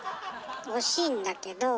惜しいんだけど。